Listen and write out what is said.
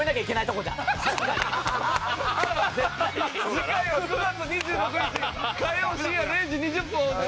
次回は９月２６日火曜深夜０時２０分放送です。